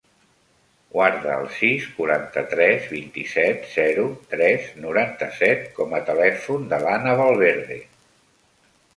Guarda el sis, quaranta-tres, vint-i-set, zero, tres, noranta-set com a telèfon de l'Ana Valverde.